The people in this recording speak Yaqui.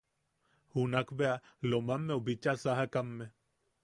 Junakbea Lomammeu bicha sajakame.